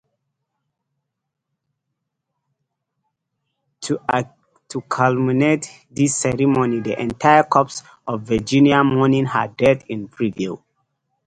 To culminate this ceremony, the entire Corps passes "Virginia Mourning Her Dead" in review.